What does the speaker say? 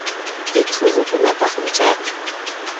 Ichhu rutunapaqmi chayqa.